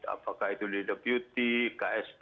apakah itu di deputi ksp